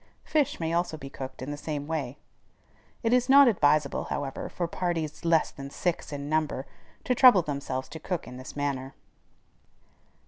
Fish may also be cooked in the same way. It is not advisable, however, for parties less than six in number to trouble themselves to cook in this manner.